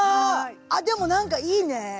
あっでもなんかいいね。